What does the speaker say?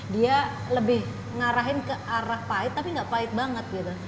dia lebih ngarahin ke arah pahit tapi nggak pahit banget gitu